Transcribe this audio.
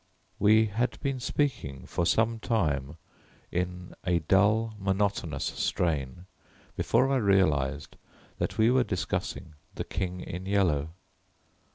We had been speaking for some time in a dull monotonous strain before I realized that we were discussing The King in Yellow.